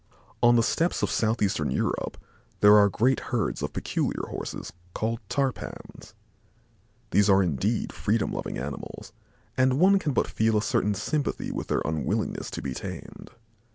On the steppes of southeastern Europe there are great herds of peculiar Horses, called tarpans. These are indeed freedom loving animals and one can but feel a certain sympathy with their unwillingness to be tamed.